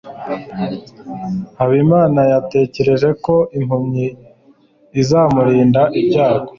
habimana yatekereje ko impumyi izamurinda ibyago